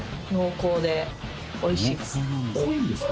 濃いんですか？